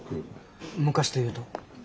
昔というと。